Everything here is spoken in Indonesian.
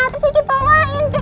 terus dia dibawain